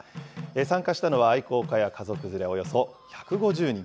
参加したのは愛好家や家族連れおよそ１５０人。